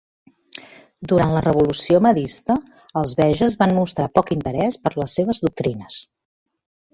Durant la revolució mahdista, els beges van mostrar poc interès per les seves doctrines.